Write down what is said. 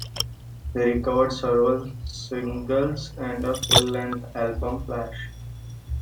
They recorded several singles and one full-length album, "Flash".